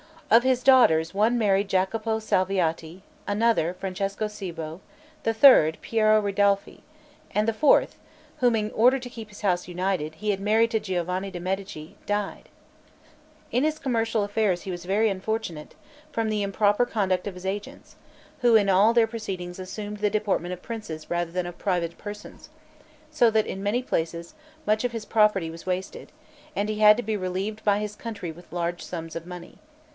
Of his daughters, one married Jacopo Salviati; another, Francesco Cibo; the third, Piero Ridolfi; and the fourth, whom, in order to keep his house united, he had married to Giovanni de' Medici, died. In his commercial affairs he was very unfortunate, from the improper conduct of his agents, who in all their proceedings assumed the deportment of princes rather than of private persons; so that in many places, much of his property was wasted, and he had to be relieved by his country with large sums of money.